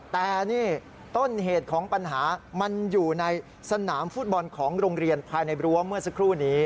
แต่นี่ต้นเหตุของปัญหามันอยู่ในสนามฟุตบอลของโรงเรียนภายในรั้วเมื่อสักครู่นี้